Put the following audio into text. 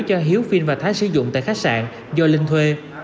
cho hiếu phiên và thái sử dụng tại khách sạn do linh thuê